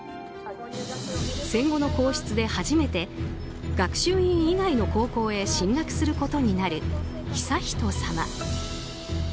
戦後の皇室で初めて学習院以外の高校へ進学することになる悠仁さま。